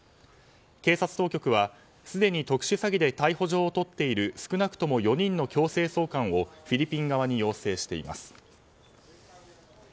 警察当局はすでに特殊詐欺で逮捕状を取っている少なくとも４人の強制送還をフィリピン側に要請しています。